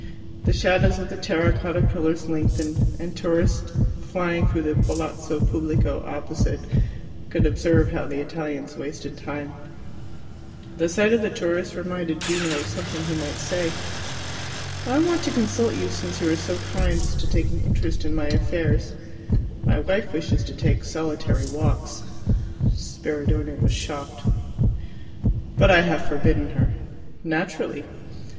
The shadows of the terra cotta pillars lengthened, and tourists, flying through the Palazzo Pubblico opposite, could observe how the Italians wasted time. The sight of tourists reminded Gino of something he might say. "I want to consult you since you are so kind as to take an interest in my affairs. My wife wishes to take solitary walks." Spiridione was shocked. "But I have forbidden her." "Naturally."